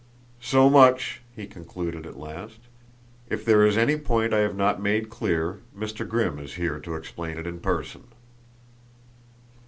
"So much!" he concluded, at last. "If there is any point I have not made clear Mr. Grimm is here to explain it in person."